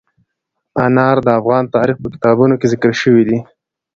انار د افغان تاریخ په کتابونو کې ذکر شوی دي.